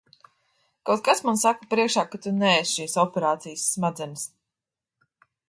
Kaut kas man saka priekšā, ka tu neesi šīs operācijas smadzenes.